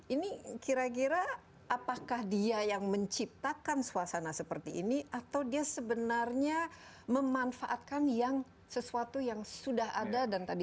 ini kira kira apakah dia yang menciptakan suasana seperti ini atau dia sebenarnya memanfaatkan yang sesuatu yang sudah ada dan tadi